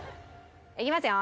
いきますよ。